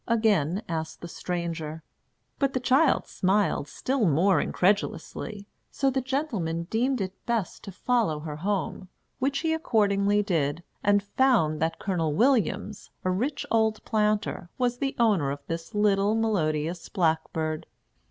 again asked the stranger. But the child smiled still more incredulously; so the gentleman deemed it best to follow her home, which he accordingly did, and found that Colonel Williams, a rich old planter, was the owner of this little melodious blackbird.